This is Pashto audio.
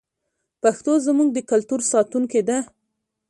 پښتو زموږ د کلتور ساتونکې ده.